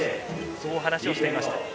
そう話をしていました。